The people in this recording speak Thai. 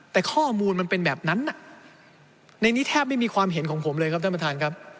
แต่ข้อมูลมันเป็นแบบนั้นในนี้แทบไม่มีความเห็นของผมเลยครับท่านประธานครับ